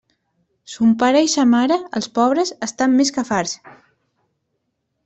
Son pare i sa mare, els pobres, estan més que farts.